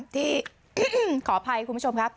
ที่ขออภัยคุณผู้ชมครับ